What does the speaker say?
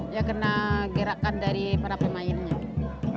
ya kena gerakan dari para pemainnya